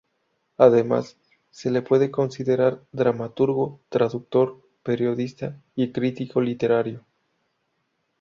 Además, se le puede considerar dramaturgo, traductor, periodista y crítico literario.